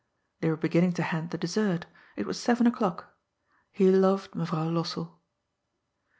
They were beginning to hand the dessert It was seven o'clock. He loved Mevrouw Lossell.